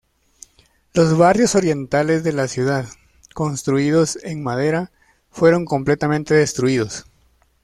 Los barrios orientales de la ciudad, construidos en madera, fueron completamente destruidos.